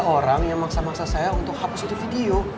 orang yang maksa maksa saya untuk hapus itu video